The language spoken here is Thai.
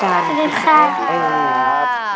สวัสดีครับ